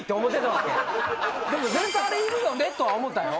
でも絶対あれいるよねとは思ったよ。